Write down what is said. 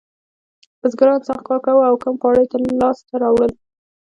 بزګرانو سخت کار کاوه او کم خواړه یې لاسته راوړل.